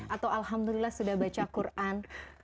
atau alhamdulillah sudah baca quran